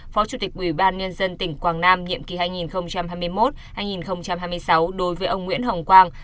phó chủ tịch ủy ban nhân dân tỉnh quảng nam nhiệm kỳ hai nghìn hai mươi một hai nghìn hai mươi sáu đối với ông nguyễn hồng quang